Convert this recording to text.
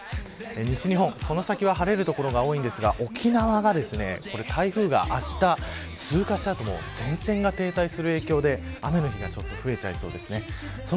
西日本は、この先は晴れる所が多いですが沖縄はあした台風が通行した後も前線が停滞する影響で雨の日が増えそうです。